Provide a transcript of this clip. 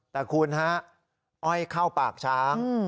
แต่คุณฮะอ้อยเข้าปากช้าง